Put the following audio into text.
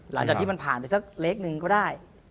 หลังจากที่มันผ่านไปสักเล็กนึงก็ได้